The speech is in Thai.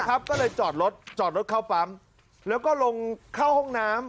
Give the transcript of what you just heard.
ก็เลยจอดรถจอดรถเข้าปั๊มแล้วก็ลงเข้าห้องน้ำ